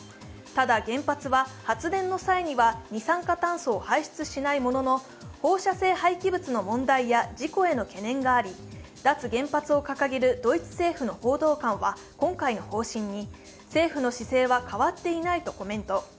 ただ原発は発電の際には二酸化炭素を排出しないものの放射性廃棄物の問題や事故への懸念があり、脱原発を掲げるドイツ政府の報道官は今回の方針に政府の姿勢は変わっていないとコメント。